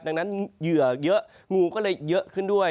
ดังนั้นเหยื่อเยอะงูก็เลยเยอะขึ้นด้วย